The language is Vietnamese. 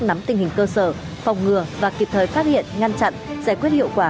nắm tình hình cơ sở phòng ngừa và kịp thời phát hiện ngăn chặn giải quyết hiệu quả